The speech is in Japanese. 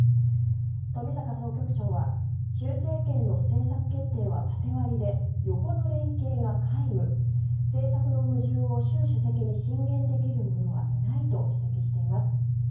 冨坂総局長は習政権の政策決定は縦割りで横の連携が皆無政策の矛盾を習主席に進言できる者はいないと指摘しています。